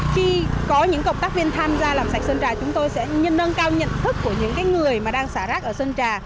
khi có những cộng tác viên tham gia làm sạch sơn trà chúng tôi sẽ nâng cao nhận thức của những người mà đang xả rác ở sơn trà